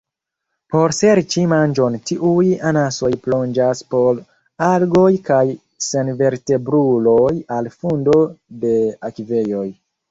Por serĉi manĝon tiuj anasoj plonĝas por algoj kaj senvertebruloj al fundo de akvejoj.